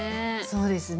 そうですね。